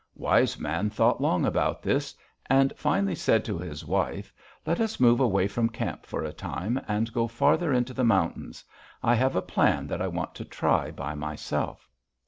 Wise Man thought long about this, and finally said to his wife: 'Let us move away from camp for a time, and go farther into the mountains. I have a plan that I want to try by myself.'